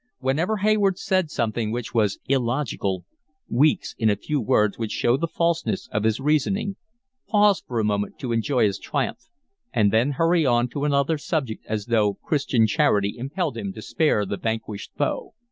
Whenever Hayward said something which was illogical, Weeks in a few words would show the falseness of his reasoning, pause for a moment to enjoy his triumph, and then hurry on to another subject as though Christian charity impelled him to spare the vanquished foe.